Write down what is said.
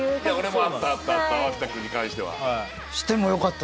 俺もあったあったあった脇田君に関しては。